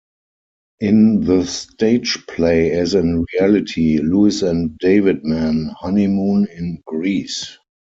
In the stage play as in reality, Lewis and Davidman honeymoon in Greece.